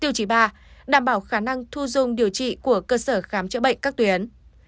tiêu chí ba đảm bảo khả năng thu dung điều trị của cơ sở khám chữa bệnh các tuyến